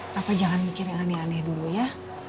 tapi jangan mikir yang aneh aneh dulu ya